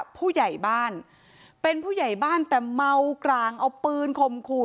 ผู้ใหญ่บ้านเป็นผู้ใหญ่บ้านแต่เมากรางเอาปืนข่มขู่